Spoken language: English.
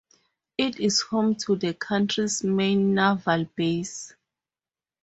It is home to the country's main naval base.